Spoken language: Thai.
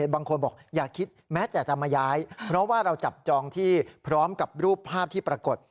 บางคนบอกอย่าคิดแม้แต่จะมาย้ายเพราะว่าเราจับจองที่พร้อมกับรูปภาพที่ปรากฏ